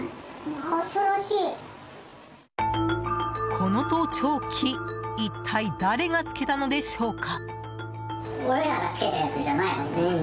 この盗聴器一体、誰がつけたのでしょうか。